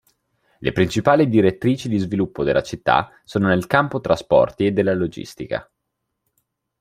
Le principali direttrici di sviluppo della città sono nel campo trasporti e della logistica.